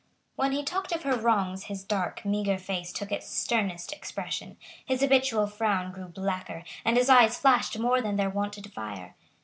When he talked of her wrongs his dark meagre face took its sternest expression; his habitual frown grew blacker, and his eyes flashed more than their wonted fire.